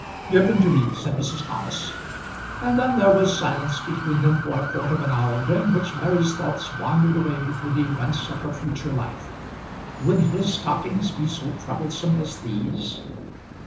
"Give them to me," said Mrs. Thomas. And then there was silence between them for a quarter of an hour during which Mary's thoughts wandered away to the events of her future life. Would his stockings be so troublesome as these?